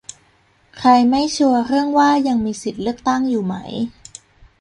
ใครไม่ชัวร์เรื่องว่ายังมีสิทธิ์เลือกตั้งอยู่ไหม